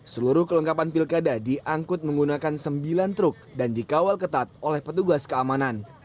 seluruh kelengkapan pilkada diangkut menggunakan sembilan truk dan dikawal ketat oleh petugas keamanan